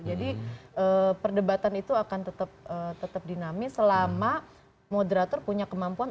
jadi perdebatan itu akan tetap dinamis selama moderator punya kemampuan